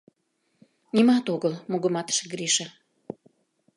— Нимат огыл, — мугыматыш Гриша.